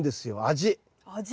味。